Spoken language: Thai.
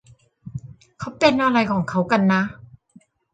เขาเป็นอะไรของเขากันนะ